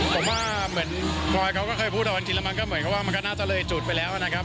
ผมว่าเหมือนพลอยเขาก็เคยพูดตอนจริงแล้วมันก็เหมือนกับว่ามันก็น่าจะเลยจุดไปแล้วนะครับ